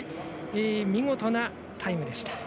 見事なタイムでした。